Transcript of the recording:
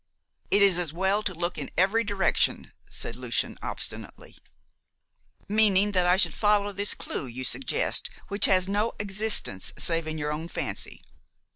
"It is as well to look in every direction," said Lucian obstinately. "Meaning that I should follow this clue you suggest, which has no existence save in your own fancy.